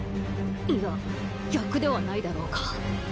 いや逆ではないだろうか。